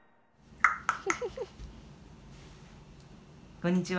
こんにちは。